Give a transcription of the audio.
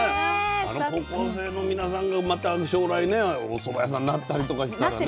あの高校生の皆さんがまた将来ねおそば屋さんになったりとかしたらね。